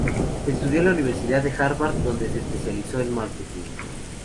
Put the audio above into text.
Estudió en la Universidad de Harvard, donde se especializó en marketing.